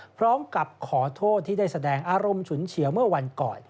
พร้อมกับขอโทษที่ได้แสดงอารมณ์ฉุนเฉียวเมื่อวันก่อน